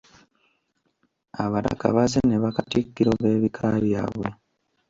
Abataka bazze ne bakatikkiro b'ebika byabwe.